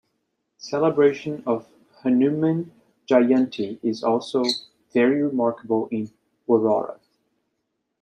Celebration of Hanuman Jayanti is also very remarkable in Warora.